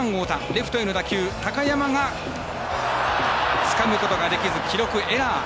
レフトへの打球高山がつかむことできず記録エラー。